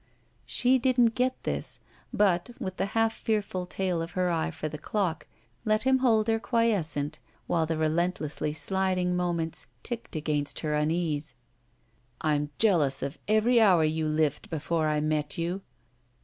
She didn't get this, but, with the half fearful tail of her eye for the clock, let him hold her quiescent, while the relentlessly sliding moments ticked against her unease. "I'm jealous of every hour you lived before I met you."